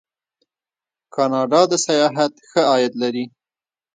کاناډا د سیاحت ښه عاید لري.